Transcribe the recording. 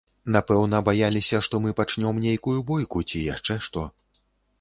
Напэўна, баяліся, што мы пачнём нейкую бойку ці яшчэ што.